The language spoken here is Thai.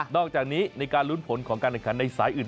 อกจากนี้ในการลุ้นผลของการแข่งขันในสายอื่น